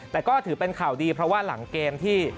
แต่ก็ถือเป็นข่าวดีเพราะว่าหลังเกมที่